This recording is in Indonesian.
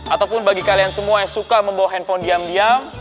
ataupun bagi kalian semua yang suka membawa handphone diam diam